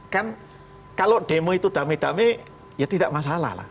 kan kalau demo itu damai damai ya tidak masalah lah